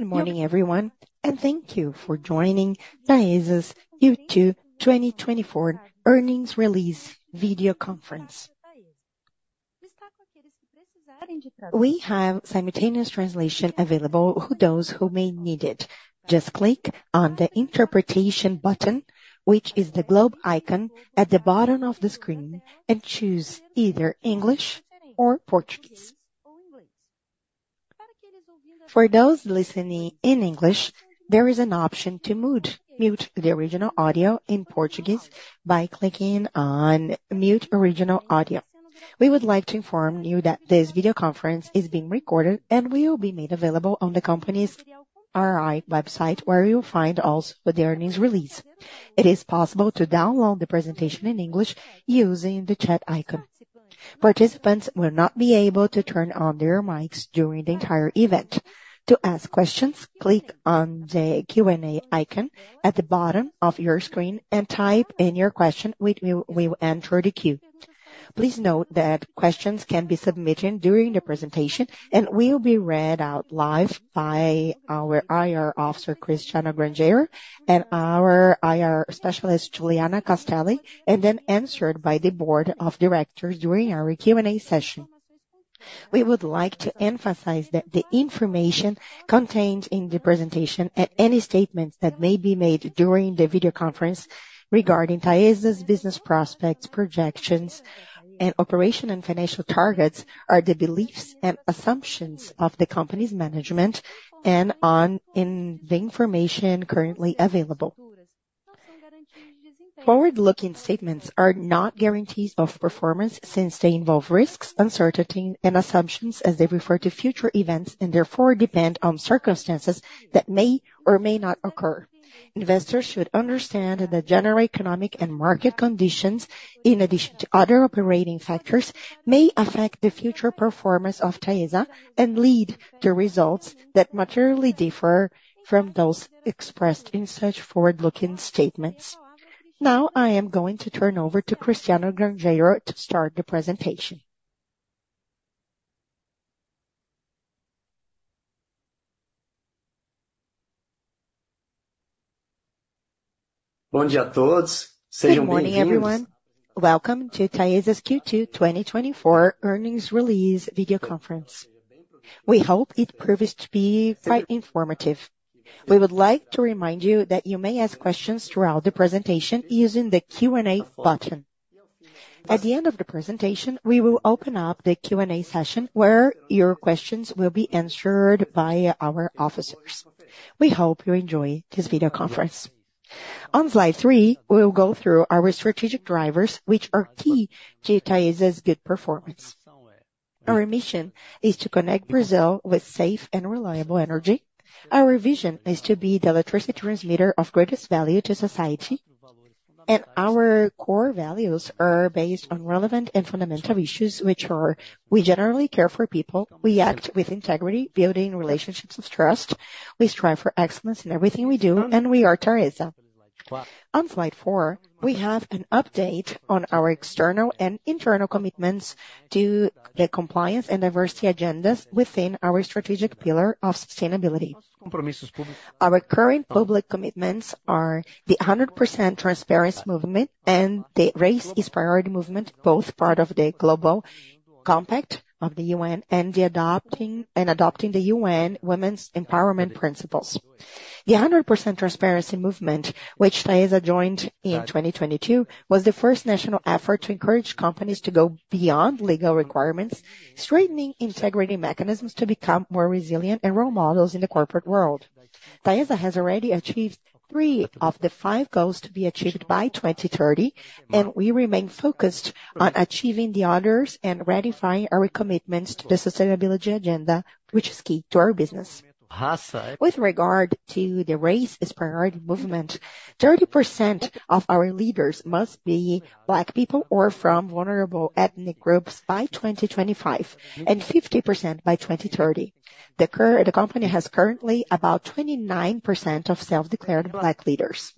Good morning, everyone, and thank you for joining Taesa's Q2 2024 earnings release video conference. We have simultaneous translation available for those who may need it. Just click on the interpretation button, which is the globe icon at the bottom of the screen, and choose either English or Portuguese. For those listening in English, there is an option to mute, mute the original audio in Portuguese by clicking on Mute Original Audio. We would like to inform you that this video conference is being recorded and will be made available on the company's RI website, where you'll find also the earnings release. It is possible to download the presentation in English using the chat icon. Participants will not be able to turn on their mics during the entire event. To ask questions, click on the Q&A icon at the bottom of your screen and type in your question, which we will enter the queue. Please note that questions can be submitted during the presentation, and will be read out live by our IR officer, Cristiano Gurgel, and our IR specialist, Juliana Castelli, and then answered by the board of directors during our Q&A session. We would like to emphasize that the information contained in the presentation, and any statements that may be made during the video conference regarding Taesa's business prospects, projections, and operation and financial targets, are the beliefs and assumptions of the company's management and on the information currently available. Forward-looking statements are not guarantees of performance, since they involve risks, uncertainty, and assumptions as they refer to future events, and therefore depend on circumstances that may or may not occur. Investors should understand that the general economic and market conditions, in addition to other operating factors, may affect the future performance of Taesa and lead to results that materially differ from those expressed in such forward-looking statements. Now, I am going to turn over to Cristiano Gurgel to start the presentation. Good morning, everyone. Welcome to Taesa's Q2 2024 earnings release video conference. We hope it proves to be quite informative. We would like to remind you that you may ask questions throughout the presentation using the Q&A button. At the end of the presentation, we will open up the Q&A session, where your questions will be answered by our officers. We hope you enjoy this video conference. On slide three, we will go through our strategic drivers, which are key to Taesa's good performance. Our mission is to connect Brazil with safe and reliable energy. Our vision is to be the electricity transmitter of greatest value to society. Our core values are based on relevant and fundamental issues, which are: we generally care for people, we act with integrity, building relationships of trust, we strive for excellence in everything we do, and we are Taesa. On slide 4, we have an update on our external and internal commitments to the compliance and diversity agendas within our strategic pillar of sustainability. Our current public commitments are the 100% Transparency Movement and the Race is Priority Movement, both part of the UN Global Compact and adopting the UN Women's Empowerment Principles. The 100% Transparency Movement, which Taesa joined in 2022, was the first national effort to encourage companies to go beyond legal requirements, strengthening integrity mechanisms to become more resilient and role models in the corporate world. Taesa has already achieved three of the five goals to be achieved by 2030, and we remain focused on achieving the others and ratifying our commitments to the sustainability agenda, which is key to our business. With regard to the Race is Priority movement, 30% of our leaders must be Black people or from vulnerable ethnic groups by 2025, and 50% by 2030. The company has currently about 29% of self-declared Black leaders.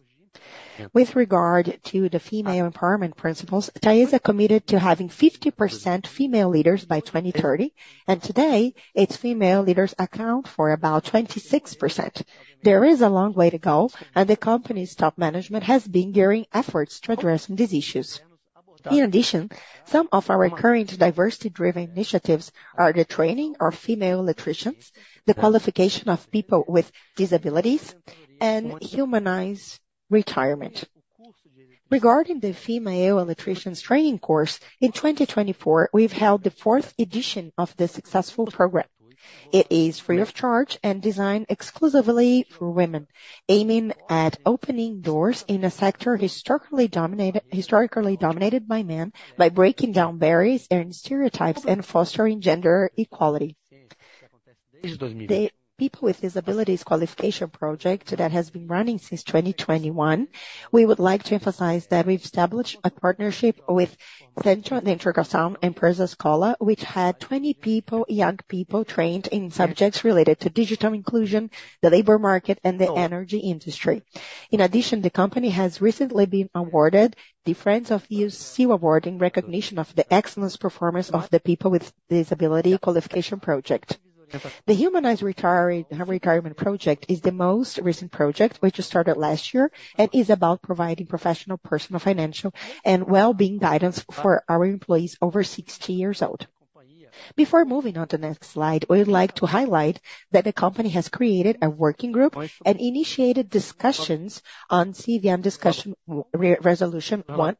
With regard to the female empowerment principles, Taesa committed to having 50% female leaders by 2030, and today, its female leaders account for about 26%. There is a long way to go, and the company's top management has been gearing efforts to addressing these issues. In addition, some of our current diversity-driven initiatives are the training of female electricians, the qualification of people with disabilities, and humanized retirement. Regarding the female electricians training course, in 2024, we've held the fourth edition of the successful program. It is free of charge and designed exclusively for women, aiming at opening doors in a sector historically dominated, historically dominated by men, by breaking down barriers and stereotypes and fostering gender equality. The People with Disabilities Qualification Project that has been running since 2021, we would like to emphasize that we've established a partnership with Centro de Integração Empresa-Escola, which had 20 people, young people, trained in subjects related to digital inclusion, the labor market, and the energy industry. In addition, the company has recently been awarded the Friends of Youth Seal Award, in recognition of the excellent performance of the People with Disabilities Qualification Project. The Humanize Retire, Retirement Project is the most recent project, which started last year, and is about providing professional, personal, financial, and well-being guidance for our employees over 60 years old. Before moving on to the next slide, we would like to highlight that the company has created a working group and initiated discussions on CVM Resolution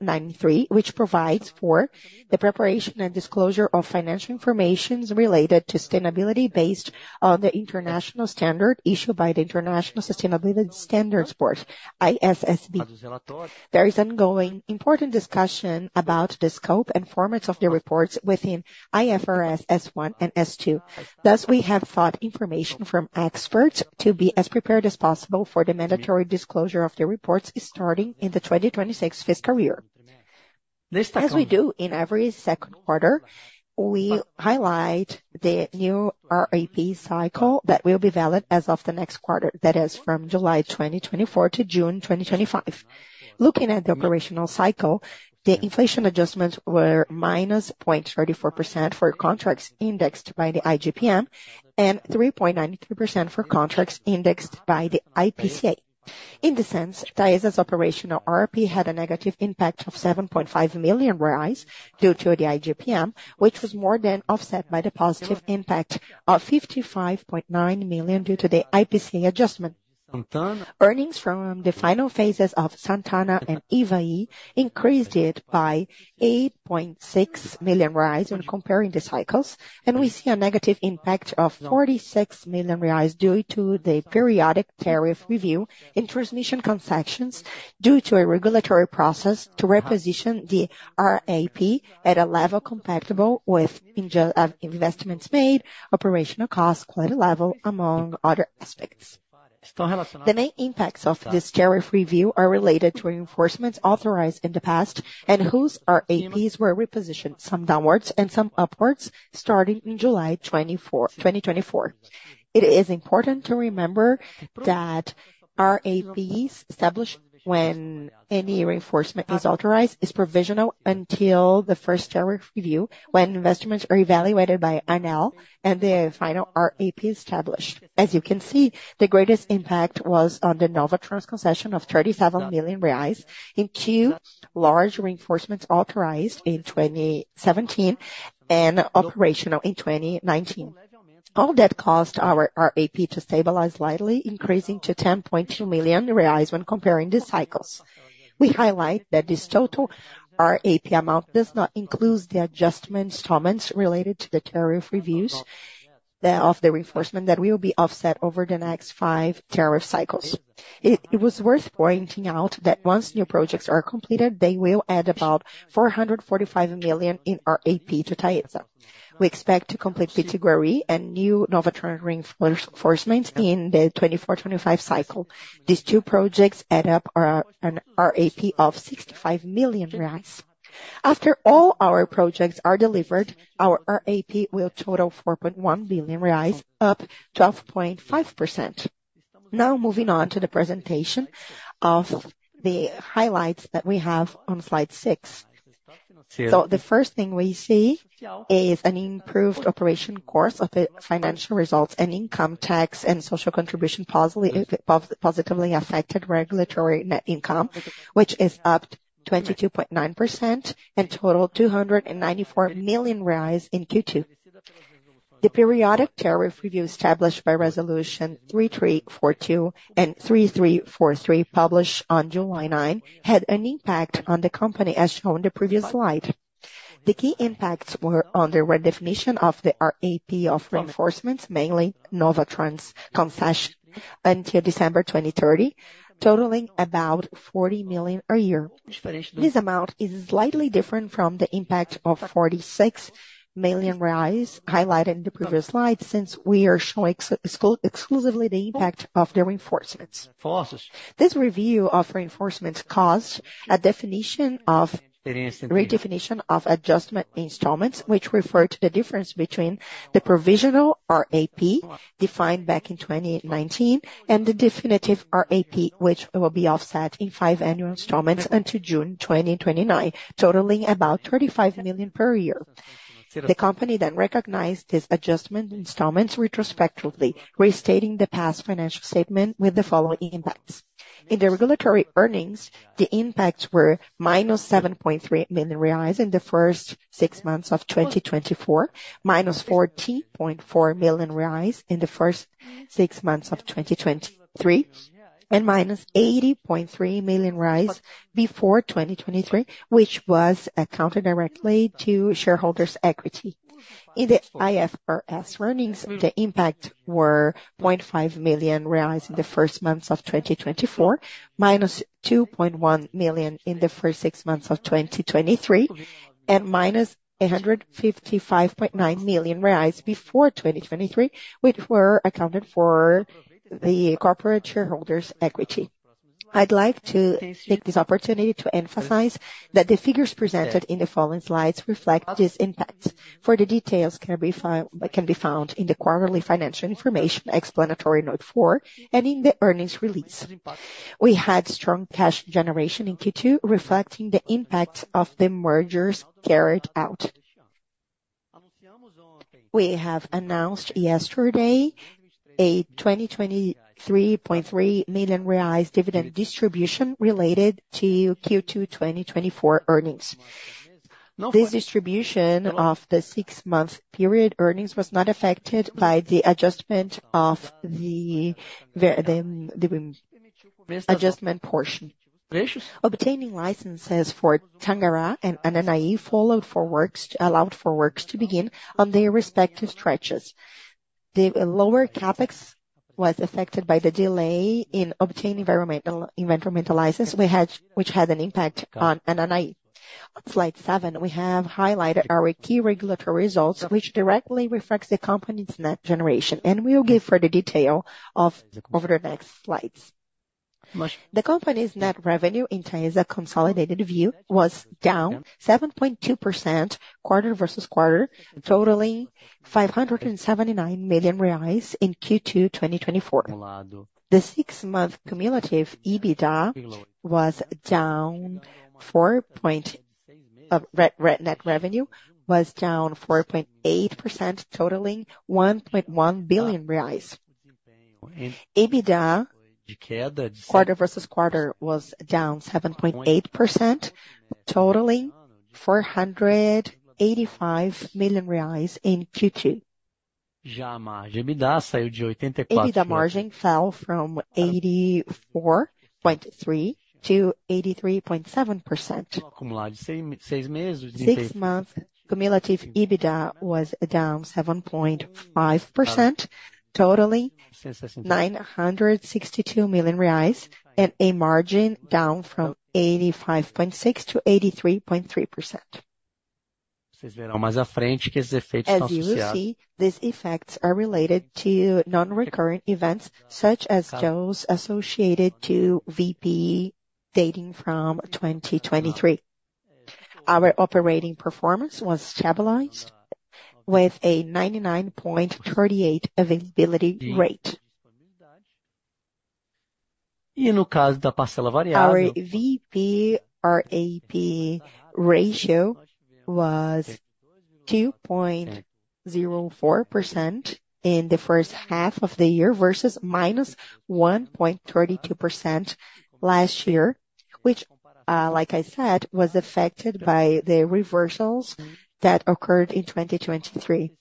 193, which provides for the preparation and disclosure of financial information related to sustainability based on the international standard issued by the International Sustainability Standards Board, ISSB. There is ongoing important discussion about the scope and formats of the reports within IFRS S1 and S2. Thus, we have sought information from experts to be as prepared as possible for the mandatory disclosure of the reports starting in the 2026 fiscal year. As we do in every second quarter, we highlight the new RAP cycle that will be valid as of the next quarter, that is, from July 2024 to June 2025. Looking at the operational cycle, the inflation adjustments were -0.34% for contracts indexed by the IGPM, and 3.93% for contracts indexed by the IPCA. In this sense, Taesa's operational RRP had a negative impact of 7.5 million due to the IGPM, which was more than offset by the positive impact of 55.9 million due to the IPCA adjustment. Earnings from the final phases of Santana and Ivaí increased it by 8.6 million reais when comparing the cycles, and we see a negative impact of 46 million reais due to the periodic tariff review in transmission concessions, due to a regulatory process to reposition the RAP at a level compatible with investment, investments made, operational costs, quality level, among other aspects. The main impacts of this tariff review are related to reinforcements authorized in the past, and whose RAPs were repositioned, some downwards and some upwards, starting in July 2024, 2024. It is important to remember that RAPs established when any reinforcement is authorized, is provisional until the first tariff review, when investments are evaluated by ANEEL and the final RAP established. As you can see, the greatest impact was on the Novatrans concession of 37 million reais in two large reinforcements authorized in 2017 and operational in 2019. All that caused our RAP to stabilize slightly, increasing to 10.2 million reais when comparing the cycles. We highlight that this total RAP amount does not include the adjustment installments related to the tariff reviews, the of the reinforcement that will be offset over the next five tariff cycles. It was worth pointing out that once new projects are completed, they will add about 445 million in RAP to Taesa. We expect to complete Pitiguari and new Novatrans reinforcements in the 2024/2025 cycle. These two projects add up an RAP of 65 million reais. After all our projects are delivered, our RAP will total 4.1 billion reais, up 12.5%. Now, moving on to the presentation of the highlights that we have on slide six. So the first thing we see is an improved operation course of the financial results and income tax, and social contribution positively affected regulatory net income, which is up 22.9% and totals 294 million in Q2. The periodic tariff review established by Resolution 3342 and 3343, published on July 9, had an impact on the company, as shown on the previous slide. The key impacts were on the redefinition of the RAP of reinforcements, mainly Novatrans concession, until December 2030, totaling about 40 million a year. This amount is slightly different from the impact of 46 million reais highlighted in the previous slide, since we are showing exclusively the impact of the reinforcements. This review of reinforcements caused a redefinition of adjustment installments, which refer to the difference between the provisional RAP, defined back in 2019, and the definitive RAP, which will be offset in 5 annual installments until June 2029, totaling about 35 million per year. The company then recognized these adjustment installments retrospectively, restating the past financial statement with the following impacts. In the regulatory earnings, the impacts were -7.3 million reais in the first six months of 2024, -14.4 million reais in the first six months of 2023, and -80.3 million reais before 2023, which was accounted directly to shareholders' equity. In the IFRS earnings, the impact were 0.5 million reais in the first months of 2024, -2.1 million in the first six months of 2023, and -155.9 million reais before 2023, which were accounted for the corporate shareholders' equity. I'd like to take this opportunity to emphasize that the figures presented in the following slides reflect this impact. Further details can be found in the quarterly financial information, explanatory note 4, and in the earnings release. We had strong cash generation in Q2, reflecting the impact of the mergers carried out. We have announced yesterday a 23.3 million reais dividend distribution related to Q2 2024 earnings. This distribution of the six-month period earnings was not affected by the adjustment of the the adjustment portion. Obtaining licenses for Tangará and Ananaí followed for works, allowed for works to begin on their respective stretches. The lower CapEx was affected by the delay in obtaining environmental license, we had, which had an impact on Ananaí. On slide 7, we have highlighted our key regulatory results, which directly reflects the company's net generation, and we'll give further detail of over the next slides. The company's net revenue in Taesa consolidated view was down 7.2% quarter-over-quarter, totaling 579 million reais in Q2 2024. The six-month cumulative net revenue was down 4.8%, totaling BRL 1.1 billion. EBITDA, quarter-over-quarter, was down 7.8%, totaling BRL 485 million in Q2. EBITDA margin fell from 84.3% to 83.7%. Six months cumulative EBITDA was down 7.5%, totaling 962 million reais, and a margin down from 85.6% to 83.3%. As you will see, these effects are related to non-recurring events, such as those associated to VP dating from 2023. Our operating performance was stabilized with a 99.38 availability rate. Our VP, our AP ratio, was 2.04% in the first half of the year, versus -1.32% last year, which, like I said, was affected by the reversals that occurred in 2023.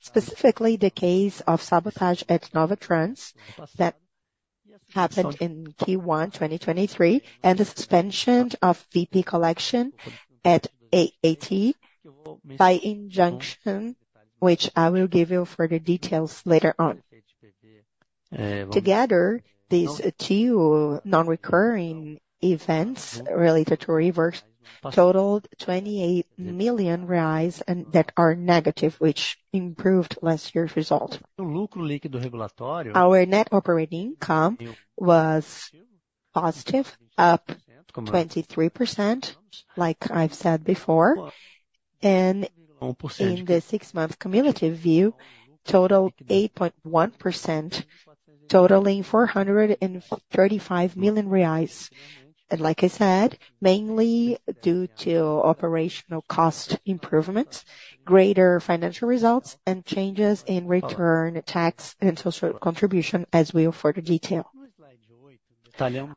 Specifically, the case of sabotage at Novatrans that happened in Q1 2023, and the suspension of VP collection at ATE by injunction, which I will give you further details later on. Together, these two non-recurring events related to reverse totaled 28 million reais, and that are negative, which improved last year's results. Our net operating income was positive, up 23%, like I've said before, and in the six-month cumulative view, totaled 8.1%, totaling 435 million reais. Like I said, mainly due to operational cost improvements, greater financial results, and changes in income tax and social contribution, as we offer the detail.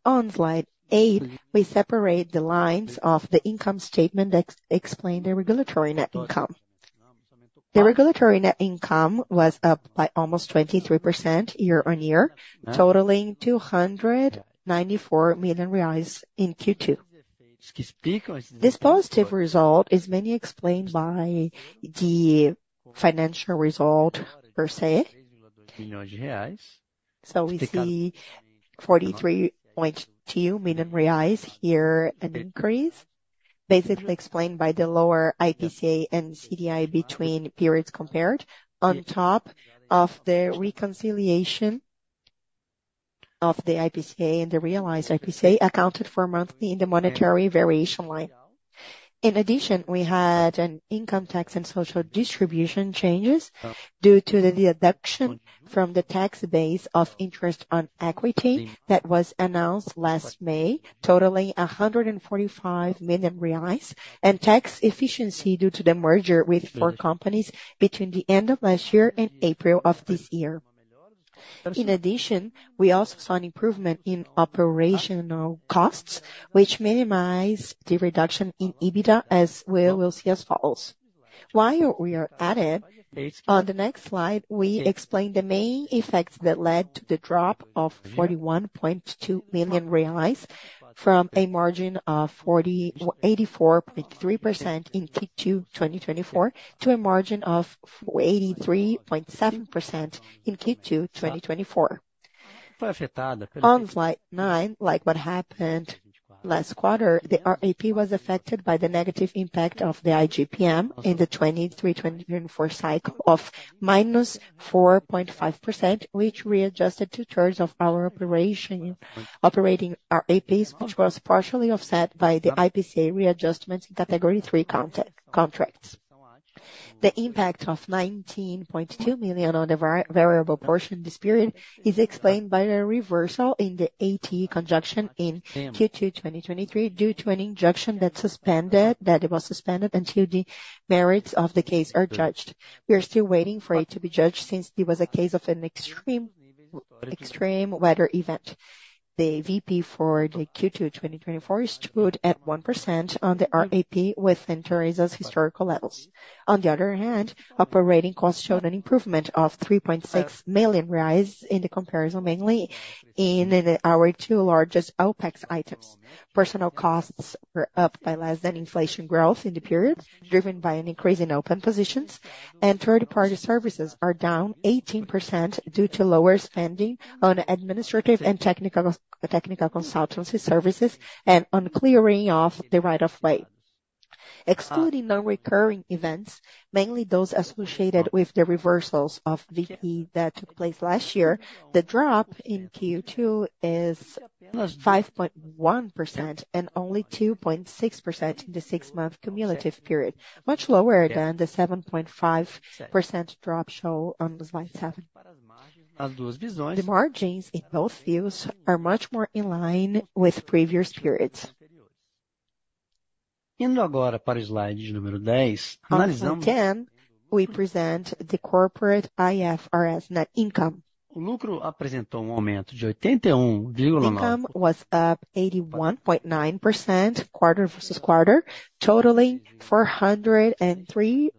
On slide eight, we separate the lines of the income statement that explain the regulatory net income. The regulatory net income was up by almost 23% year-on-year, totaling BRL 294 million in Q2. This positive result is mainly explained by the financial result per se. So we see 43.2 million reais here, an increase, basically explained by the lower IPCA and CDI between periods compared. On top of the reconciliation of the IPCA and the realized IPCA, accounted for monthly in the monetary variation line. In addition, we had an income tax and social distribution changes due to the deduction from the tax base of interest on equity that was announced last May, totaling 145 million reais, and tax efficiency due to the merger with four companies between the end of last year and April of this year. In addition, we also saw an improvement in operational costs, which minimize the reduction in EBITDA, as we will see as follows. While we are at it, on the next slide, we explain the main effects that led to the drop of 41.2 million reais from a margin of eighty-four point three percent in Q2 2024, to a margin of eighty-three point seven percent in Q2 2024. On slide nine, like what happened last quarter, the RAP was affected by the negative impact of the IGPM in the 2023, 2024 cycle of -4.5%, which readjusted to terms of our operating RAPs, which was partially offset by the IPCA readjustments in Category Three context contracts. The impact of 19.2 million on the variable portion this period is explained by a reversal in the ATE injunction in Q2 2023, due to an injunction that suspended, that it was suspended until the merits of the case are judged. We are still waiting for it to be judged since it was a case of an extreme, extreme weather event. The VP for the Q2 2024 stood at 1% on the RAP within Taesa's historical levels. On the other hand, operating costs showed an improvement of 3.6 million reais rise in the comparison, mainly in our two largest OPEX items. Personnel costs were up by less than inflation growth in the period, driven by an increase in open positions, and third-party services are down 18% due to lower spending on administrative and technical consultancy services and on clearing of the right of way. Excluding non-recurring events, mainly those associated with the reversals of VP that took place last year, the drop in Q2 is 5.1%, and only 2.6% in the six-month cumulative period, much lower than the 7.5% drop shown on slide 7. The margins in both fields are much more in line with previous periods. On 10, we present the corporate IFRS net income. Income was up 81.9% quarter-over-quarter, totaling BRL 403 million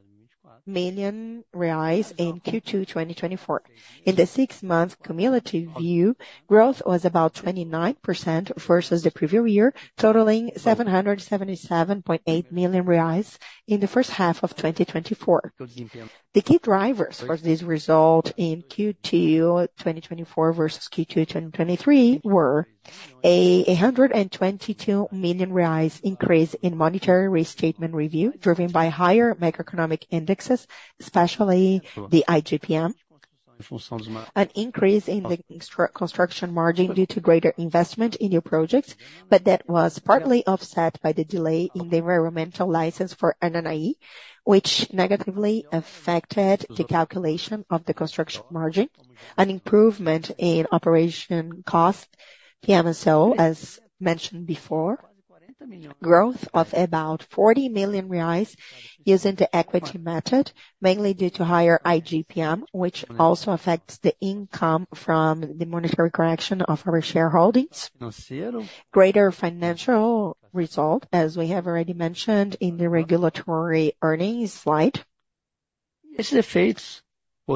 in Q2 2024. In the six-month cumulative view, growth was about 29% versus the previous year, totaling 777.8 million reais in the first half of 2024. The key drivers for this result in Q2 2024 versus Q2 2023 were: 122 million increase in monetary restatement review, driven by higher macroeconomic indexes, especially the IGPM. An increase in the construction margin due to greater investment in new projects, but that was partly offset by the delay in the environmental license for Ananaí, which negatively affected the calculation of the construction margin. An improvement in operation cost, PMSO, as mentioned before. Growth of about 40 million reais using the equity method, mainly due to higher IGPM, which also affects the income from the monetary correction of our shareholdings. Greater financial result, as we have already mentioned in the regulatory earnings slide.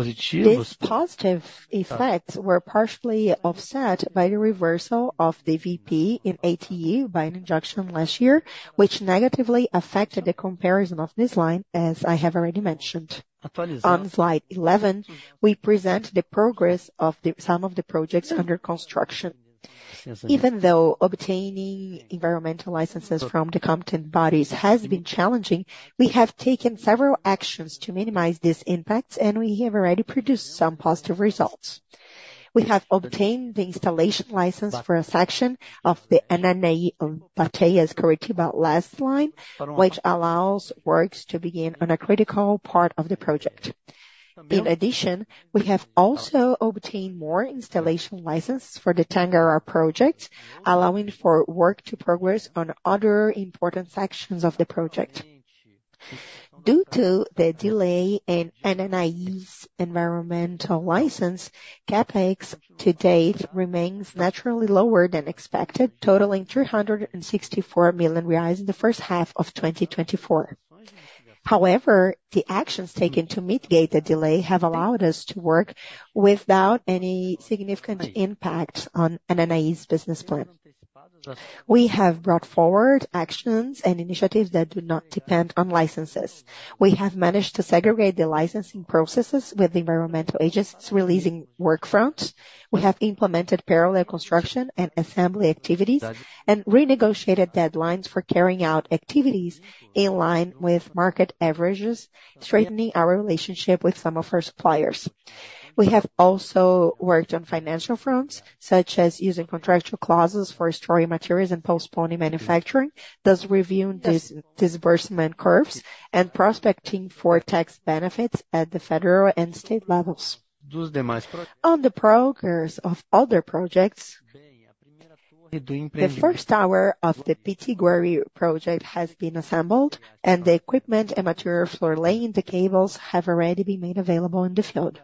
These positive effects were partially offset by the reversal of the VP in ATE by an injunction last year, which negatively affected the comparison of this line, as I have already mentioned. On Slide 11, we present the progress of some of the projects under construction. Even though obtaining environmental licenses from the competent bodies has been challenging, we have taken several actions to minimize these impacts, and we have already produced some positive results. We have obtained the installation license for a section of the Ananaí Bateias-Curitiba line, which allows works to begin on a critical part of the project. In addition, we have also obtained more installation license for the Tangará project, allowing for work to progress on other important sections of the project. Due to the delay in Ananaí's environmental license, CapEx to date remains naturally lower than expected, totaling 364 million reais in the first half of 2024. However, the actions taken to mitigate the delay have allowed us to work without any significant impact on Ananaí's business plan. We have brought forward actions and initiatives that do not depend on licenses. We have managed to segregate the licensing processes with environmental agents, releasing work fronts. We have implemented parallel construction and assembly activities, and renegotiated deadlines for carrying out activities in line with market averages, strengthening our relationship with some of our suppliers. We have also worked on financial fronts, such as using contractual clauses for storing materials and postponing manufacturing, thus reviewing disbursement curves and prospecting for tax benefits at the federal and state levels. On the progress of other projects, the first tower of the Pitiguari project has been assembled, and the equipment and material for laying the cables have already been made available in the field.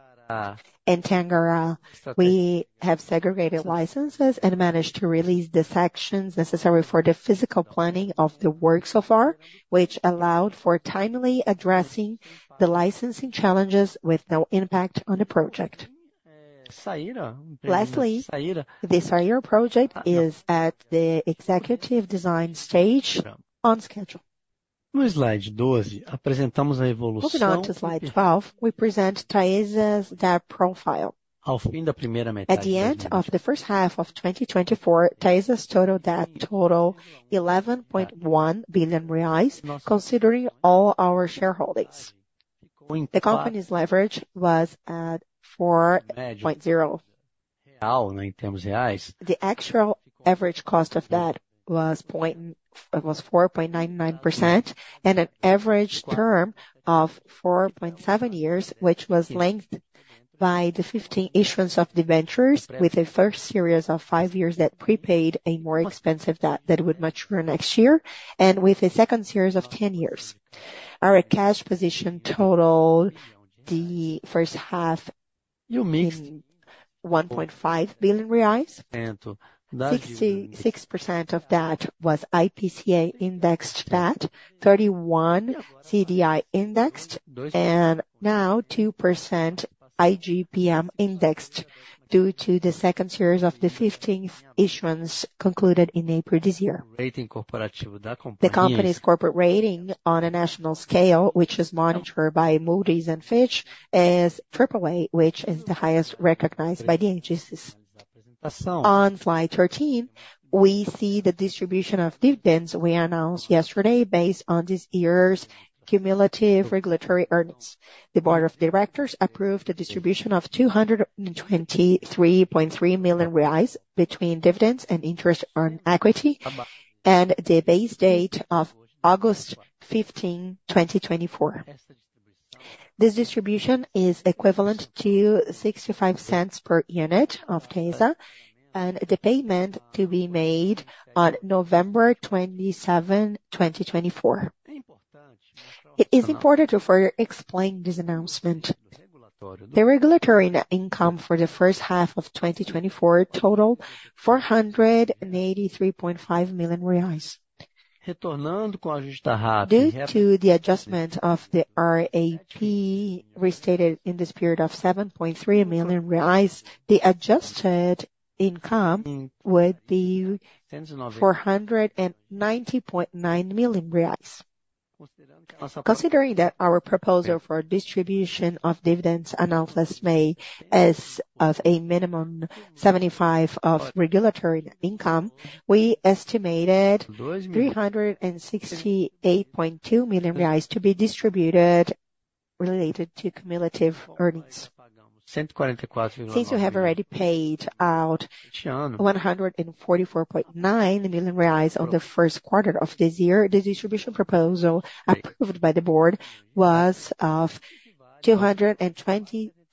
In Tangará, we have segregated licenses and managed to release the sections necessary for the physical planning of the work so far, which allowed for timely addressing the licensing challenges with no impact on the project. Lastly, the Saíra project is at the executive design stage on schedule. Moving on to slide 12, we present Taesa's debt profile. At the end of the first half of 2024, Taesa's total debt total 11.1 billion reais, considering all our shareholdings. The company's leverage was at 4.0 in terms of reais. The actual average cost of that was 4.99%, and an average term of 4.7 years, which was lengthened by the 15 issuance of debentures, with a first series of 5 years that prepaid a more expensive debt that would mature next year, and with a second series of 10 years. Our cash position totaled BRL 1.5 billion in the first half. 66% of that was IPCA-indexed debt, 31% CDI-indexed, and now 2% IGPM-indexed, due to the second series of the 15th issuance concluded in April this year. Rating cooperation with the company. The company's corporate rating on a national scale, which is monitored by Moody's and Fitch, is AAA, which is the highest recognized by the agencies. On slide 13, we see the distribution of dividends we announced yesterday, based on this year's cumulative regulatory earnings. The board of directors approved the distribution of 223.3 million reais between dividends and interest on equity, and the base date of August 15, 2024. This distribution is equivalent to 0.65 per unit of Taesa, and the payment to be made on November 27, 2024. It is important to further explain this announcement. The regulatory net income for the first half of 2024 totaled BRL 483.5 million. Return on the quarter. Due to the adjustment of the RAP, restated in this period of 7.3 million reais, the adjusted income would be 490.9 million reais. Considering that our proposal for distribution of dividends announced last May, as of a minimum 75% of regulatory income, we estimated 368.2 million reais to be distributed related to cumulative earnings. Since we have already paid out 144.9 million reais on the first quarter of this year, the distribution proposal approved by the board was of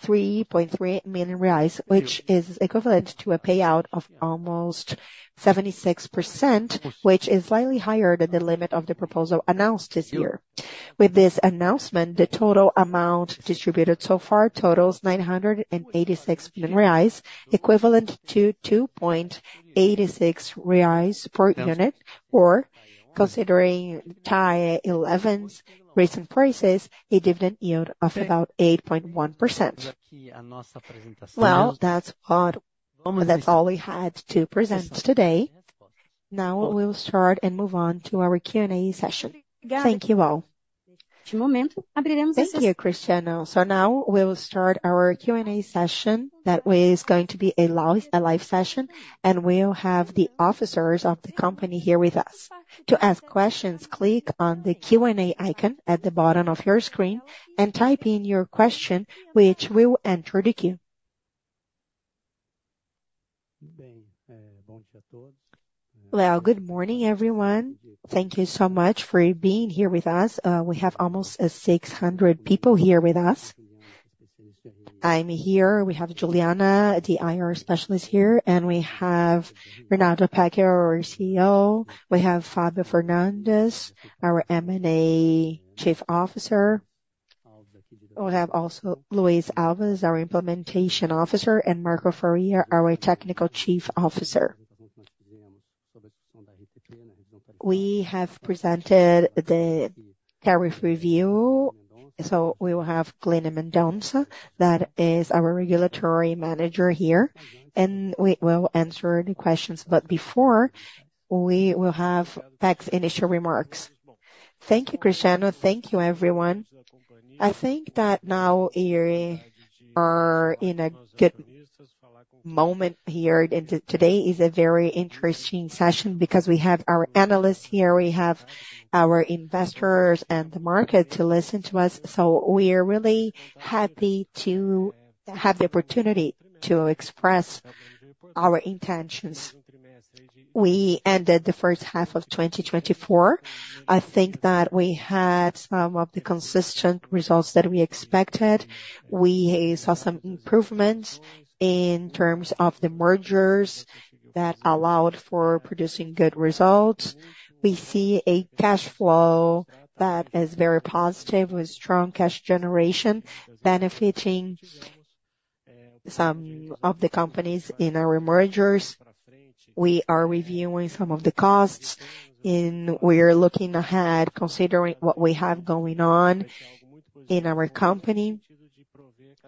223.3 million reais, which is equivalent to a payout of almost 76%, which is slightly higher than the limit of the proposal announced this year. With this announcement, the total amount distributed so far totals 986 million reais, equivalent to 2.86 reais per unit, or considering TAEE11's recent prices, a dividend yield of about 8.1%. Well, that's what, that's all we had to present today. Now we'll start and move on to our Q&A session. Thank you all. Thank you, Cristiano. So now we'll start our Q&A session. That way is going to be a live, a live session, and we'll have the officers of the company here with us. To ask questions, click on the Q&A icon at the bottom of your screen and type in your question, which will enter the queue. Well, good morning, everyone. Thank you so much for being here with us. We have almost 600 people here with us. I'm here, we have Juliana, the IR specialist here, and we have Rinaldo Pecchio Jr., our CEO. We have Fábio Fernandes, our M&A chief officer. We have also Luis Alves, our implementation officer, and Marco Faria, our technical chief officer. We have presented the tariff review, so we will have Glênio Mendonça, that is our regulatory manager here, and we will answer the questions. But before, we will have Pecchio's initial remarks. Thank you, Cristiano. Thank you, everyone. I think that now we are in a good moment here, and today is a very interesting session, because we have our analysts here, we have our investors and the market to listen to us, so we are really happy to have the opportunity to express our intentions. We ended the first half of 2024. I think that we had some of the consistent results that we expected. We saw some improvements in terms of the mergers that allowed for producing good results. We see a cash flow that is very positive, with strong cash generation, benefiting some of the companies in our mergers. We are reviewing some of the costs, and we are looking ahead, considering what we have going on in our company,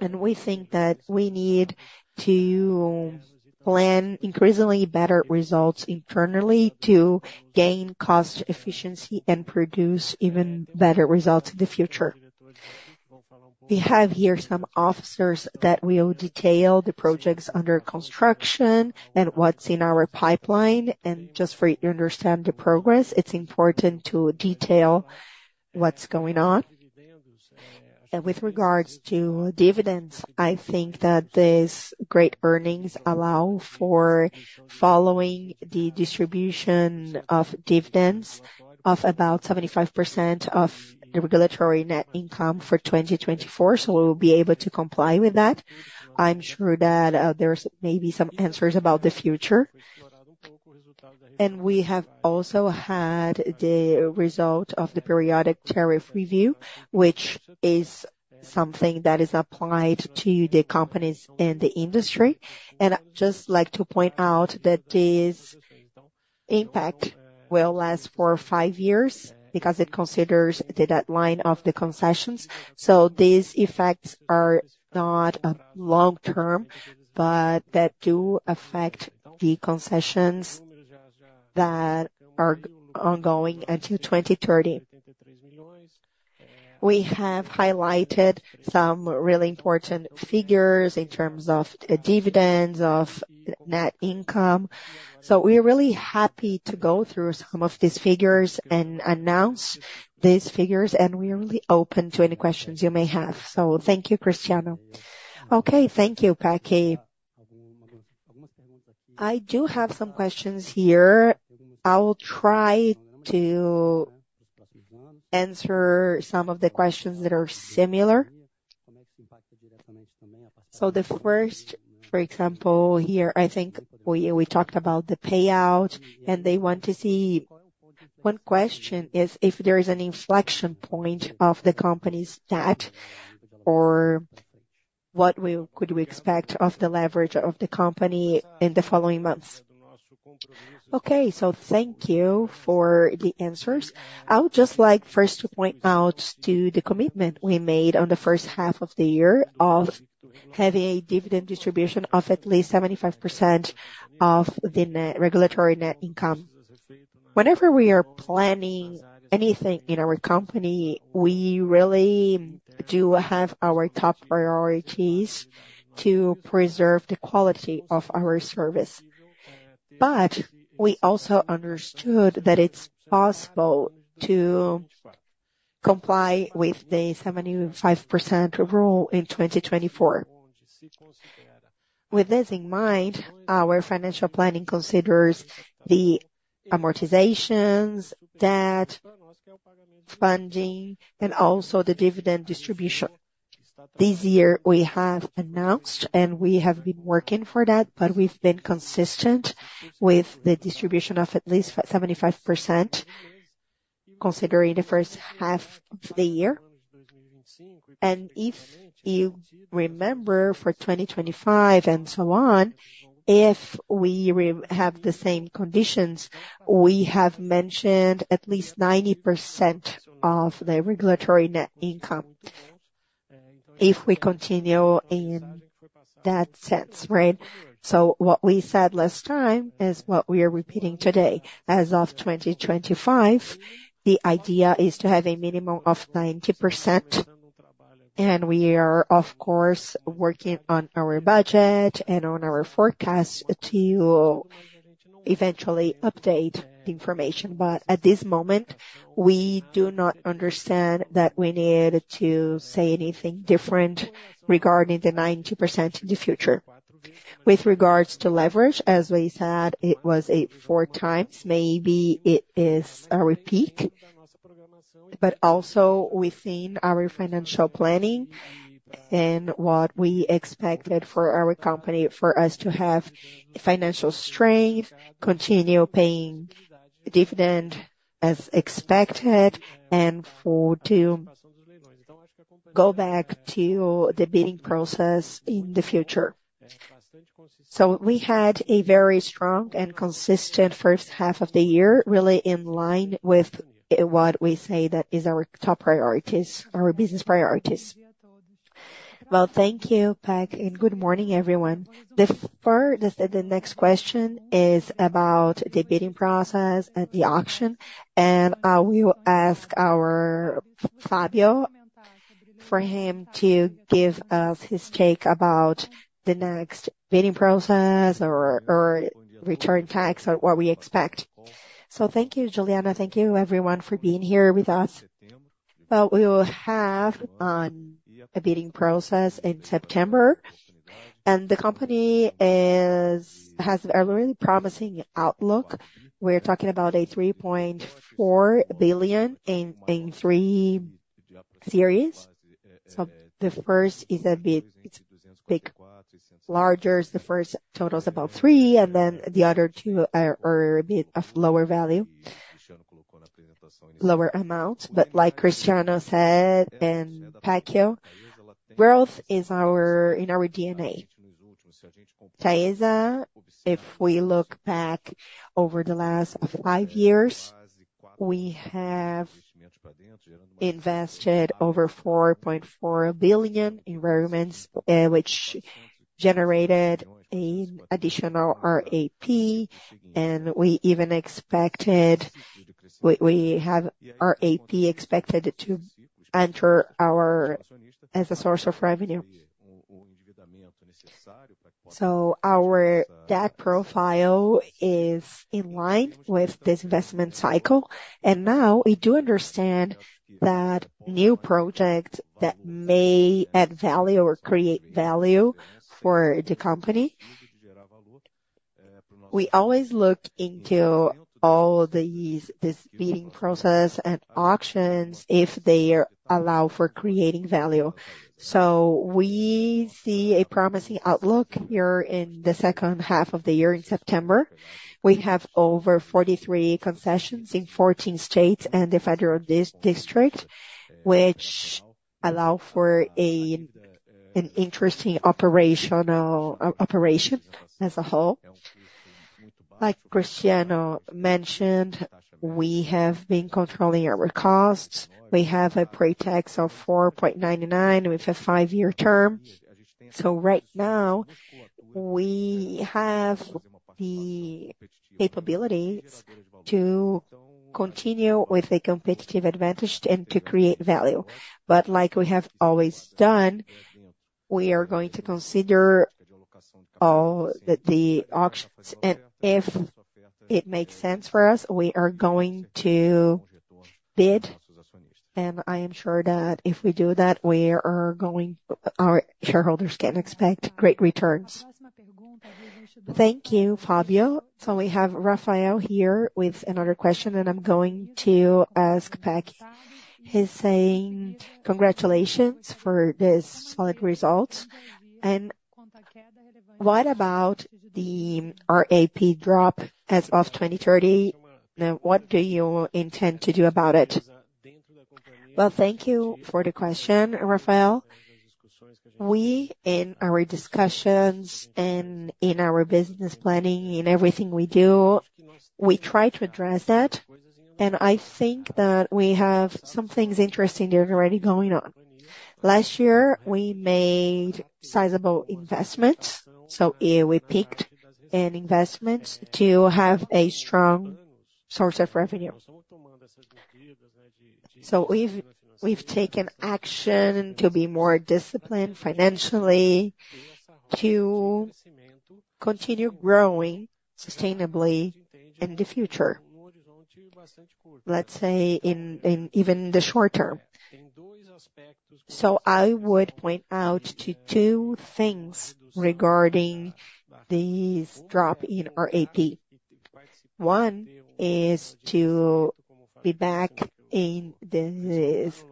and we think that we need to plan increasingly better results internally to gain cost efficiency and produce even better results in the future. We have here some officers that will detail the projects under construction and what's in our pipeline. Just for you to understand the progress, it's important to detail what's going on. With regards to dividends, I think that these great earnings allow for following the distribution of dividends of about 75% of the Regulatory Net Income for 2024, so we'll be able to comply with that. I'm sure that, there's maybe some answers about the future. We have also had the result of the Periodic Tariff Review, which is something that is applied to the companies in the industry. I'd just like to point out that this impact will last for five years, because it considers the deadline of the concessions. These effects are not long term, but that do affect the concessions that are ongoing until 2030. We have highlighted some really important figures in terms of dividends, of net income. We're really happy to go through some of these figures and announce these figures, and we are really open to any questions you may have. Thank you, Cristiano. Okay, thank you, Pecchio. I do have some questions here. I will try to answer some of the questions that are similar. The first, for example, here, I think we talked about the payout, and they want to see... One question is if there is an inflection point of the company's debt, or what could we expect of the leverage of the company in the following months? Okay, so thank you for the answers. I would just like first to point out to the commitment we made on the first half of the year of having a dividend distribution of at least 75% of the net regulatory net income. Whenever we are planning anything in our company, we really do have our top priorities to preserve the quality of our service. But we also understood that it's possible to comply with the 75% rule in 2024. With this in mind, our financial planning considers the amortizations, debt, funding, and also the dividend distribution. This year, we have announced, and we have been working for that, but we've been consistent with the distribution of at least seventy-five percent, considering the first half of the year. If you remember, for 2025 and so on, if we have the same conditions, we have mentioned at least 90% of the regulatory net income, if we continue in that sense, right? What we said last time is what we are repeating today. As of 2025, the idea is to have a minimum of 90%, and we are, of course, working on our budget and on our forecast to eventually update the information. At this moment, we do not understand that we need to say anything different regarding the 90% in the future. With regards to leverage, as we said, it was 4x, maybe it is our peak, but also within our financial planning and what we expected for our company, for us to have financial strength, continue paying dividend as expected, and for to go back to the bidding process in the future. So we had a very strong and consistent first half of the year, really in line with what we say that is our top priorities, our business priorities. Well, thank you, Pecchio, and good morning, everyone. The next question is about the bidding process and the auction, and I will ask our Fábio for him to give us his take about the next bidding process or return tax, or what we expect. So thank you, Juliana. Thank you everyone for being here with us. Well, we will have a bidding process in September, and the company has a really promising outlook. We're talking about 3.4 billion in three series. So the first is a bit larger, the first total is about 3 billion, and then the other two are a bit of lower value, lower amount. But like Cristiano said and Pecchio, growth is our, in our DNA. Taesa, if we look back over the last five years, we have invested over 4.4 billion in investments, which generated an additional RAP, and we even expected, we have RAP expected to enter ours as a source of revenue. So our debt profile is in line with this investment cycle, and now we do understand that new project that may add value or create value for the company. We always look into all these, this bidding process and auctions, if they allow for creating value. So we see a promising outlook here in the second half of the year. In September, we have over 43 concessions in 14 states and the federal district, which allow for an interesting operation as a whole. Like Cristiano mentioned, we have been controlling our costs. We have a pre-tax of 4.99 with a 5-year term. So right now, we have the capabilities to continue with a competitive advantage and to create value. But like we have always done, we are going to consider all the, the auctions, and if it makes sense for us, we are going to bid. And I am sure that if we do that, we are going, our shareholders can expect great returns. Thank you, Fábio. So we have Rafael here with another question, and I'm going to ask back. He's saying, congratulations for this solid result, and what about the RAP drop as of 2030? Now, what do you intend to do about it? Well, thank you for the question, Rafael. We, in our discussions and in our business planning, in everything we do, we try to address that, and I think that we have some things interesting that are already going on. Last year, we made sizable investments, so we peaked in investments to have a strong source of revenue. So we've, we've taken action to be more disciplined financially, to continue growing sustainably in the future, let's say, in even the short term. So I would point out to two things regarding this drop in our RAP. One is to be back in these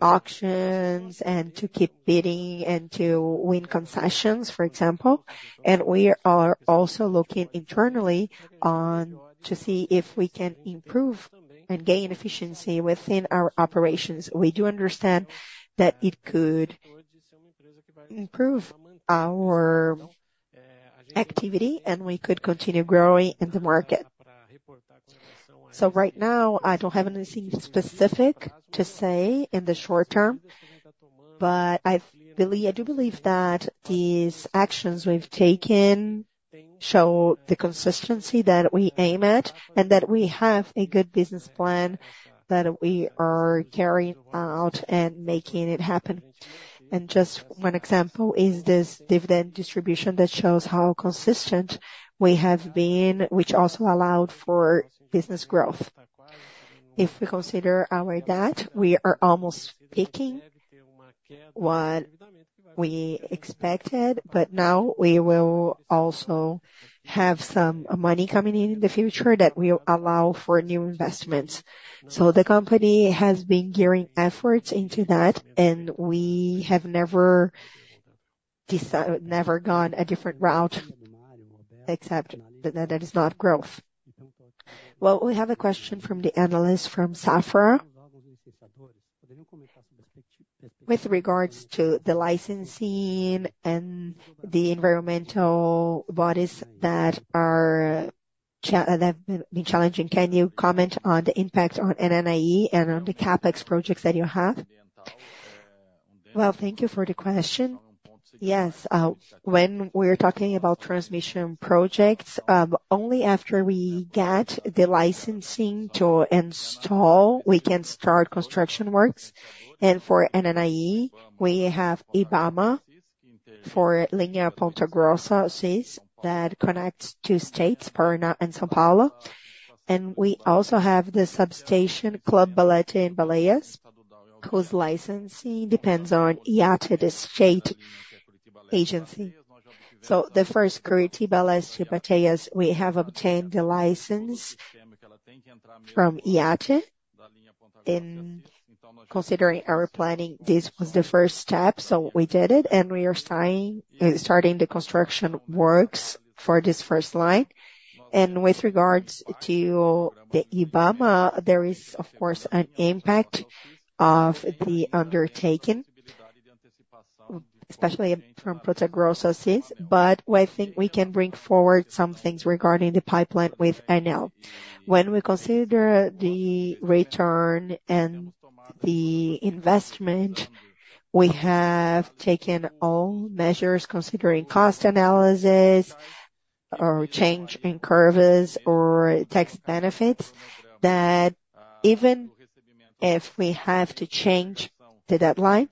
auctions and to keep bidding and to win concessions, for example. And we are also looking internally on to see if we can improve and gain efficiency within our operations. We do understand that it could improve our activity, and we could continue growing in the market. So right now, I don't have anything specific to say in the short term, but I do believe that these actions we've taken show the consistency that we aim at, and that we have a good business plan that we are carrying out and making it happen. And just one example is this dividend distribution that shows how consistent we have been, which also allowed for business growth. If we consider our debt, we are almost peaking what we expected, but now we will also have some money coming in in the future that will allow for new investments. So the company has been gearing efforts into that, and we have never gone a different route, except that, that is not growth. Well, we have a question from the analyst from Safra. With regards to the licensing and the environmental bodies that have been challenging, can you comment on the impact on Ananaí and on the CapEx projects that you have? Well, thank you for the question. Yes, when we're talking about transmission projects, only after we get the licensing to install, we can start construction works. And for Ananaí, we have IBAMA for Linha Ponta Grossa-Assis, that connects two states, Paraná and São Paulo. We also have the substation Bateias in Bateias, whose licensing depends on IAT, the state agency. So the first Curitiba-Bateias, we have obtained the license from IAT. In considering our planning, this was the first step, so we did it, and we are starting the construction works for this first line. With regards to the IBAMA, there is, of course, an impact of the undertaking, especially from Ponta Grossa-Assis, but I think we can bring forward some things regarding the pipeline with ANEEL. When we consider the return and the investment, we have taken all measures, considering cost analysis or change in curves or tax benefits, that even if we have to change the deadline,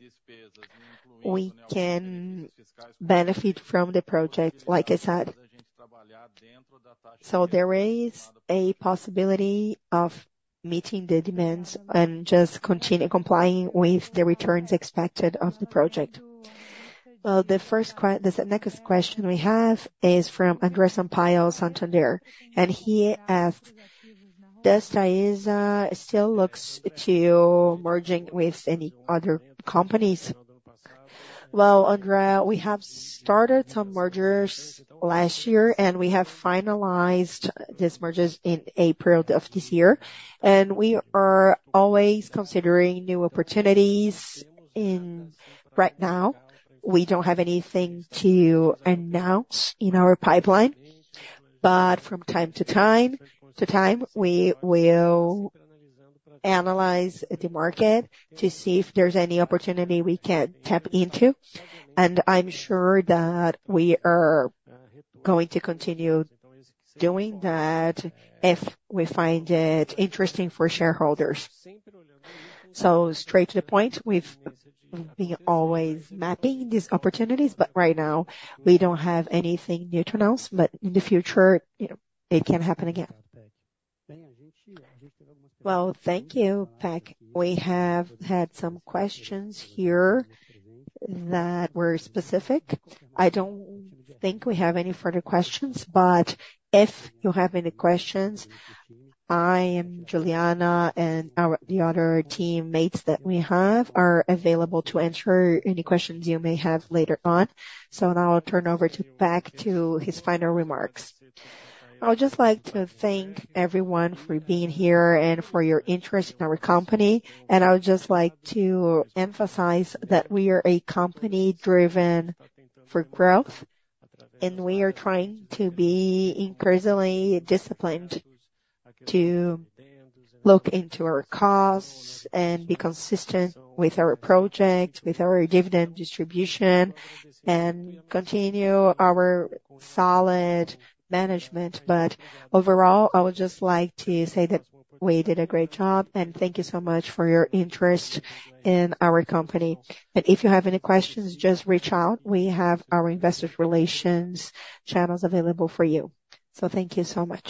we can benefit from the project, like I said. So there is a possibility of meeting the demands and just continue complying with the returns expected of the project. Well, the next question we have is from André Sampaio, Santander, and he asked: Does Taesa still looks to merging with any other companies? Well, André, we have started some mergers last year, and we have finalized these mergers in April of this year. And we are always considering new opportunities in right now, we don't have anything to announce in our pipeline, but from time to time, we will analyze the market to see if there's any opportunity we can tap into. And I'm sure that we are going to continue doing that if we find it interesting for shareholders. So straight to the point, we've been always mapping these opportunities, but right now, we don't have anything new to announce. But in the future, you know, it can happen again. Well, thank you, Pecchio. We have had some questions here that were specific. I don't think we have any further questions, but if you have any questions, I and Juliana and our, the other teammates that we have, are available to answer any questions you may have later on. So now I'll turn over to back to his final remarks. I would just like to thank everyone for being here and for your interest in our company. I would just like to emphasize that we are a company driven for growth, and we are trying to be increasingly disciplined to look into our costs and be consistent with our project, with our dividend distribution, and continue our solid management. Overall, I would just like to say that we did a great job, and thank you so much for your interest in our company. If you have any questions, just reach out. We have our Investor Relations channels available for you. Thank you so much.